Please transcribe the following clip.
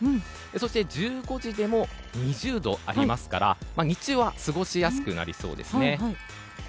そして、１５時でも２０度ありますから日中は過ごしやすくなりそうですね。